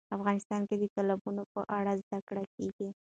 افغانستان کې د تالابونه په اړه زده کړه کېږي.